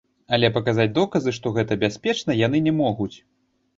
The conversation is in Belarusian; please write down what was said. Але паказаць доказы, што гэта бяспечна, яны не могуць.